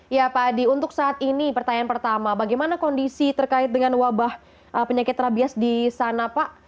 ya pak adi untuk saat ini pertanyaan pertama bagaimana kondisi terkait dengan wabah penyakit rabies di sana pak